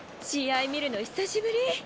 試合見るの久しぶり。